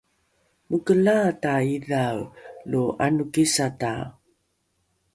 mokelaata idhae lo ’anokisata?